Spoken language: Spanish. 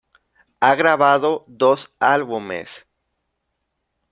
Ha grabado dos álbumes.